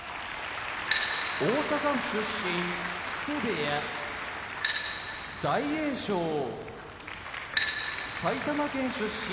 大阪府出身木瀬部屋大栄翔埼玉県出身